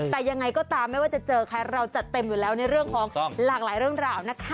แต่ยังไงก็ตามไม่ว่าจะเจอใครรึยังเต็มทุกแบบร่างหลายแหล่ะ